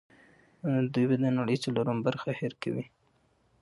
دوی به د نړۍ څلورمه برخه هېر کوي.